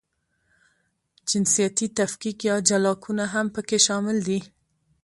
جنسیتي تفکیک یا جلاکونه هم پکې شامل دي.